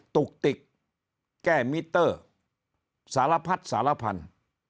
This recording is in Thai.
ตุกติกแก้มิเตอร์สารพัดสารพันธุ์